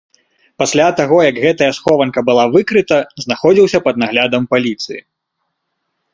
Пасля таго, як гэтая схованка была выкрыта, знаходзіўся пад наглядам паліцыі.